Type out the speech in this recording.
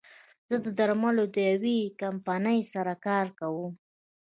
زه د درملو د يوې کمپنۍ سره کار کوم